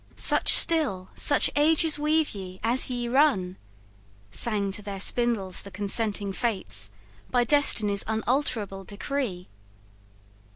"Such still, such ages weave ye, as ye run," Sang to their spindles the consenting Fates By Destiny's unalterable decree.